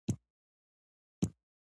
بیزو د ښکار لپاره مناسب حیوان نه دی.